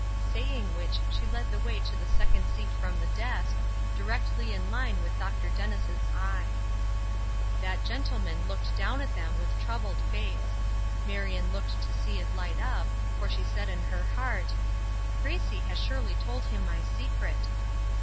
Saying which she led the way to the second seat from the desk, directly in line with Dr. Dennis' eye. That gentleman looked down at them with troubled face. Marion looked to see it light up, for she said in her heart: "Gracie has surely told him my secret."